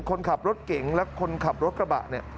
คนขับรถเก่งและคนขับรถกระบะเนี่ย